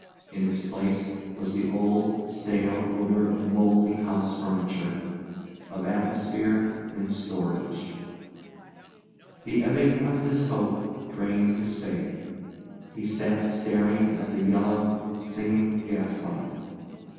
In its place was the old, stale odour of mouldy house furniture, of atmosphere in storage. The ebbing of his hope drained his faith. He sat staring at the yellow, singing gaslight.